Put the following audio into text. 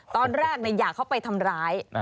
ตอนแรกอยากเข้าไปทำร้าย